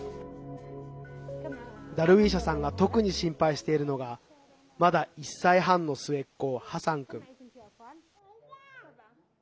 ダルウィーシャさんが特に心配しているのがまだ１歳半の末っ子、ハサン君。